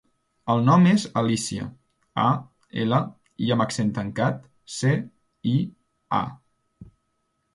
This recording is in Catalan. El nom és Alícia: a, ela, i amb accent tancat, ce, i, a.